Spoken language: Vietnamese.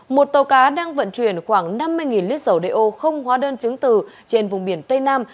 một tàu cá đang vận chuyển khoảng năm mươi lít dầu đeo không hóa đơn chứng từ trên vùng biển tây nam